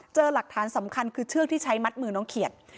หลักฐานสำคัญคือเชือกที่ใช้มัดมือน้องเขียด